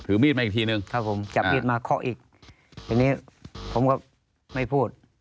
มีดมาอีกทีนึงครับผมจับมีดมาเคาะอีกทีนี้ผมก็ไม่พูด